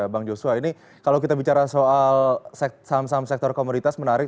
bang joshua ini kalau kita bicara soal saham saham sektor komoditas menarik